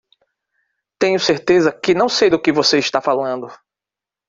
Tenho certeza que não sei do que você está falando!